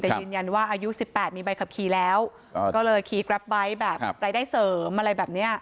แต่ยืนยันว่าอายุ๑๘มีใบขับขี่แล้วก็เลยขี่กรับไบท์แบบรายได้เสริมอะไรแบบเนี้ย